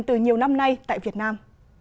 từ nhiều năm nay tại việt nam